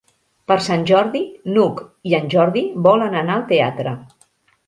Per Sant Jordi n'Hug i en Jordi volen anar al teatre.